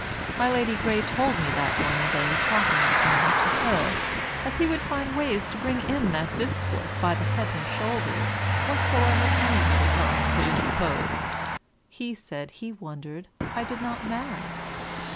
My Lady Grey told me that one day talking of me to her (as he would find ways to bring in that discourse by the head and shoulders, whatsoever anybody else could interpose), he said he wondered I did not marry.